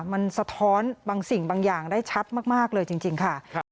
มันสะท้อนบางสิ่งบางอย่างได้ชัดมากมากเลยจริงจริงค่ะครับ